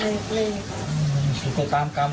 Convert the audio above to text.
แล้วตอนนี้ศาลให้ประกันตัวออกมาแล้ว